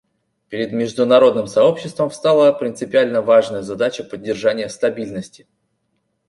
Перед международным сообществом встала принципиально важная задача поддержания стабильности.